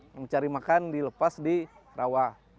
mencari makan dilepas di rawa